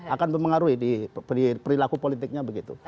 akan mempengaruhi di perilaku politiknya begitu